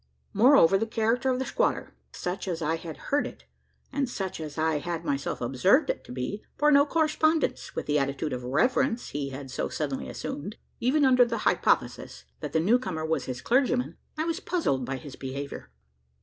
Moreover, the character of the squatter such as I had heard it, and such as I had myself observed it to be bore no correspondence with the attitude of reverence he had so suddenly assumed. Even under the hypothesis, that the new comer was his clergyman, I was puzzled by his behaviour.